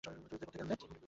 টুরিস্টদের কোত্থেকে আনলেন?